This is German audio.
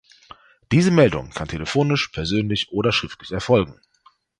Diese Meldung kann telefonisch, persönlich oder schriftlich erfolgen.